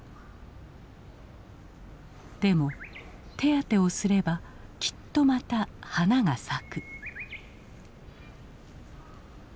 でも手当てをすればきっとまた花が咲く。